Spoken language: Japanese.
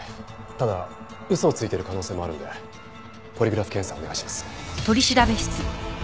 ただ嘘をついてる可能性もあるんでポリグラフ検査をお願いします。